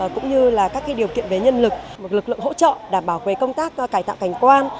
cũng như là các điều kiện về nhân lực lực lượng hỗ trợ đảm bảo về công tác cải tạo cảnh quan